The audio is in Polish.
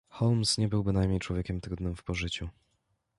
"Holmes nie był bynajmniej człowiekiem trudnym w pożyciu."